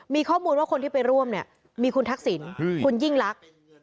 มีข้อมูลว่าคนที่ไปร่วมเนี่ยมีคุณทักษิณคุณยิ่งลักษณ์